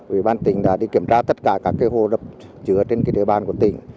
ủy ban tỉnh đã đi kiểm tra tất cả các hồ đập chứa trên địa bàn của tỉnh